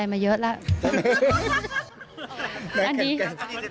ไม่อ่ะแม่เจออะไรมาเยอะแล้ว